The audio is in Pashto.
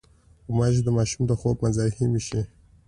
غوماشې د ماشوم د خوب مزاحمې شي.